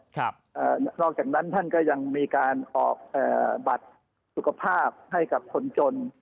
นอกจากนั้นท่านก็ยังมีการออกเอ่อบัตรสุขภาพให้กับคนจน